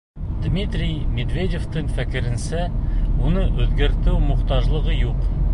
Дмитрий Медведевтың фекеренсә, уны үҙгәртеү мохтажлығы юҡ.